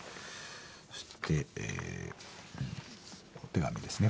そしてお手紙ですね。